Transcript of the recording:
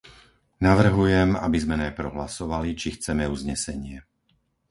Navrhujem, aby sme najprv hlasovali, či chceme uznesenie.